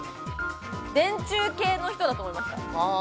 電柱系の人だと思います。